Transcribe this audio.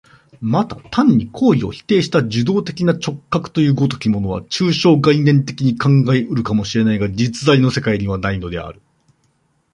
また単に行為を否定した受働的な直覚という如きものは、抽象概念的に考え得るかも知れないが、実在の世界にはないのである。